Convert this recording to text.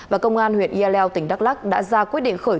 và công an huyện yaleo tỉnh đắk lắc đã ra quyết định khởi